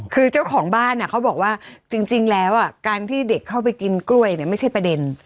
คือเจ้าของบ้านเขาบอกว่าจริงแล้วการที่เด็กเข้าไปกินกล้วยเนี่ยไม่ใช่ประเด็น